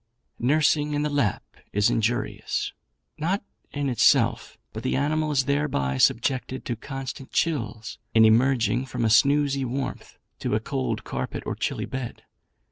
"Nursing in the lap is injurious; not in itself, but the animal is thereby subjected to constant chills, in emerging from a snoozy warmth to a cold carpet or chilly bed.